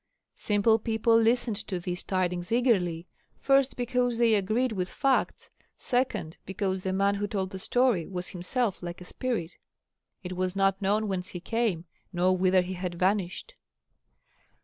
Simple people listened to these tidings eagerly, first, because they agreed with facts, second, because the man who told the story was himself like a spirit it was not known whence he came nor whither he had vanished.